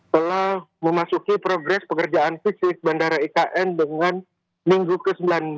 telah memasuki progres pekerjaan fisik bandara ikn dengan minggu ke sembilan belas